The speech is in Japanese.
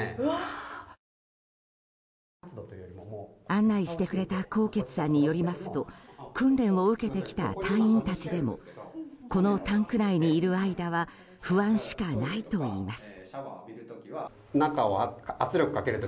案内してくれた纐纈さんによりますと訓練を受けてきた隊員たちでもこのタンク内にいる間は不安しかないといいます。